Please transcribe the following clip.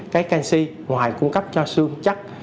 cái canxi ngoài cung cấp cho xương chắc